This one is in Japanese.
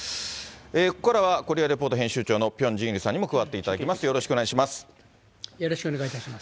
ここからは、コリア・リポート編集長のピョン・ジンイルさんにも加わっていたよろしくお願いいたします。